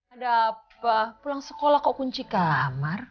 ada pulang sekolah kok kunci kamar